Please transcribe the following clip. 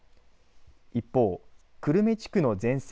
一方、久留米地区の全線